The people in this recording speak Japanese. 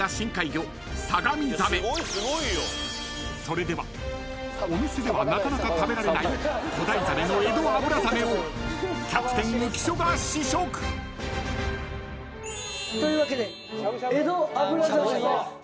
［それではお店ではなかなか食べられない古代ザメのエドアブラザメをキャプテン浮所が試食］というわけで。